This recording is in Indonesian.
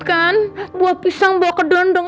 kan buah pisang buah kedondong